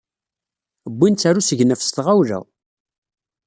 Wwin-tt ɣer usegnaf s tɣawla.